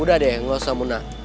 udah deh ga usah muna